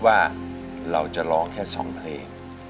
ว่าเราจะร้องแค่๒เพลง